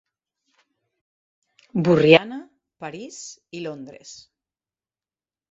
Borriana, París i Londres.